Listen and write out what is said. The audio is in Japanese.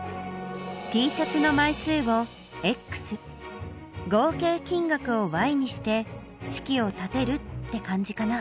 Ｔシャツの枚数を合計金額をにして式を立てるって感じかな。